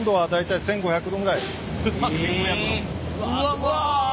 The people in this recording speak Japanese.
うわ！